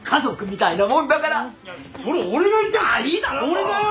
俺だよ！